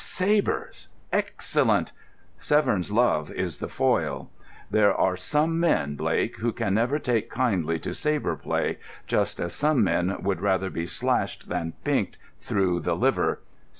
"Sabres? excellent! Severn's love is the foil. There are some men, Blake, who can never take kindly to sabre play, just as some men would rather be slashed than pinked through the liver.